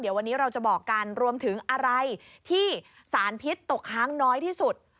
เดี๋ยววันนี้เราจะบอกกันรวมถึงอะไรที่สารพิษตกค้างน้อยที่สุด